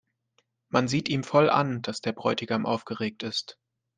Man sieht ihm voll an, dass der Bräutigam aufgeregt ist.